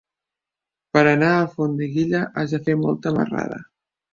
Per anar a Alfondeguilla has de fer molta marrada.